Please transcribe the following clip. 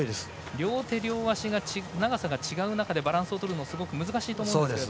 両手・両足が長さが違う中でバランスをとるのはすごく難しいと思うんですが。